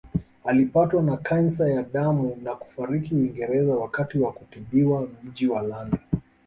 Alipatwa na kansa ya damu na kufariki Uingereza wakati wa kutibiwa mji wa London